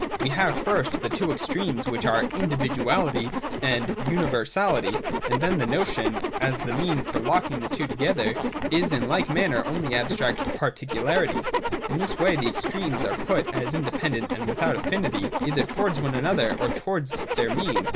We have first the two extremes, which are Individuality and Universality; and then the notion, as the mean for locking the two together, is in like manner only abstract Particularity. In this way the extremes are put as independent and without affinity either towards one another or towards their mean.